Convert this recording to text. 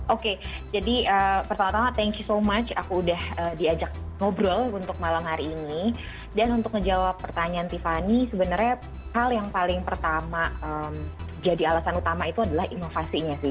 oke jadi pertama tama thank you so much aku udah diajak ngobrol untuk malam hari ini dan untuk menjawab pertanyaan tiffany sebenarnya hal yang paling pertama jadi alasan utama itu adalah inovasinya sih